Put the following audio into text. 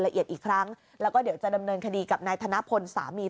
ละเอียดอีกครั้งแล้วก็เดี๋ยวจะดำเนินคดีกับนายธนพลสามี